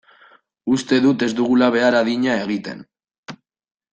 Uste dut ez dugula behar adina egiten.